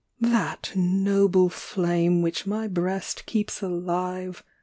That noble flame, which my Ijreast keeps alive.